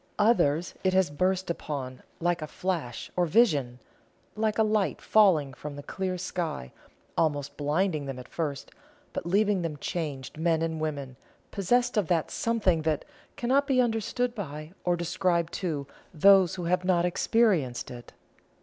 Others it has burst upon like a flash, or vision like a light falling from the clear sky, almost blinding them at first, but leaving them changed men and women, possessed of that something that cannot be understood by or described to those who have not experienced it.